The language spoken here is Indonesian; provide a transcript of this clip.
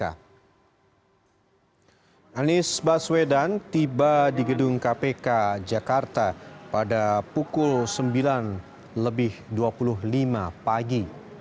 anies baswedan tiba di gedung kpk jakarta pada pukul sembilan lebih dua puluh lima pagi